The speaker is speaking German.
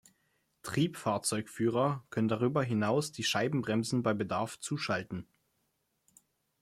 Triebfahrzeugführer können darüber hinaus die Scheibenbremsen bei Bedarf zuschalten.